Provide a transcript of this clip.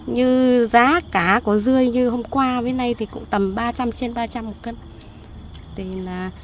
như giá cá của dươi như hôm qua với nay thì cũng tầm ba trăm linh trên ba trăm linh một cân